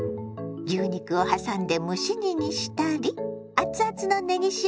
牛肉をはさんで蒸し煮にしたりアツアツのねぎ塩